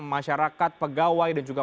masyarakat pegawai dan juga